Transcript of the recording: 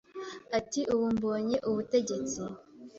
ati ubu mbonye ubutegetsi,